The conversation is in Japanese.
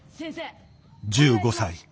１５歳。